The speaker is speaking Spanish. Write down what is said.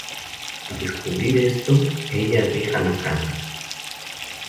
Al descubrir esto, ella deja la casa.